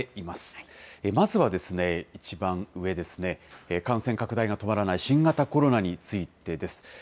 まずは一番上ですね、感染拡大が止まらない新型コロナについてです。